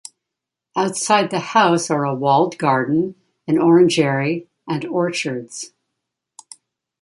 Outside the house are a walled garden, an orangery and orchards.